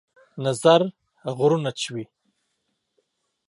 نظر غرونه چوي